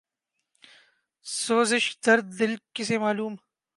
سوزش درد دل کسے معلوم